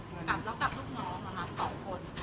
แล้วกับลูกน้อง๒คน